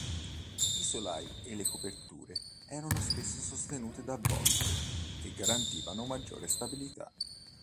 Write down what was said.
I solai e le coperture erano spesso sostenute da volte, che garantivano maggiore stabilità.